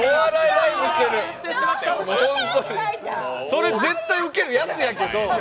それ、絶対うけるやつやけど。